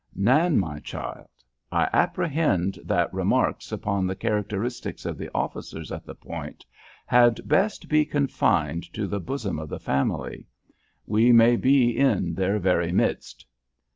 "Nan, my child, I apprehend that remarks upon the characteristics of the officers at the Point had best be confined to the bosom of the family. We may be in their very midst."